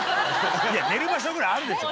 いや寝る場所ぐらいあるでしょ！